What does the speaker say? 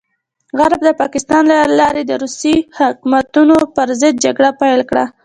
غرب د پاکستان له لارې د روسي حماقتونو پرضد جګړه پيل کړه.